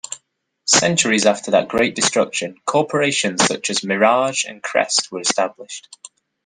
Centuries after that great destruction, corporations such as Mirage and Crest were established.